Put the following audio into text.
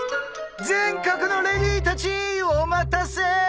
全国のレディーたちお待たせ！